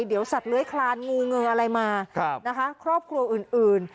เดี๋ยวสัตว์เลื้อยคลานงูเงยอะไรมานะคะครอบครัวอื่น